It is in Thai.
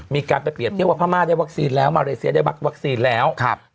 มีการไปเปรียบเทียบว่าพม่าได้วัคซีนแล้วมาเลเซียได้วัคซีนแล้ว